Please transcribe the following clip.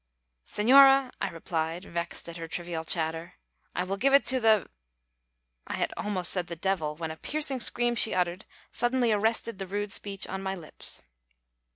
"Señora," I replied, vexed at her trivial chatter, "I will give it to the " I had almost said to the devil, when a piercing scream she uttered suddenly arrested the rude speech on my lips.